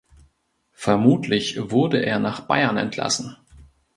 Vermutlich wurde er nach Bayern entlassen.